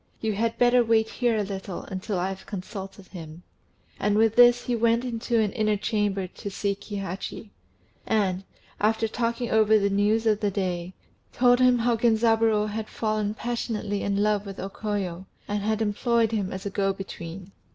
You had better wait here a little until I have consulted him;" and with this he went into an inner chamber to see Kihachi; and, after talking over the news of the day, told him how Genzaburô had fallen passionately in love with O Koyo, and had employed him as a go between.